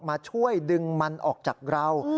มาช่วยดึงมันออกจากเรา